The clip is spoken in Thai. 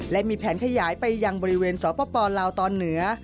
และมีแผนขยายไปยังบริเวณสปลาวตอนเหนือ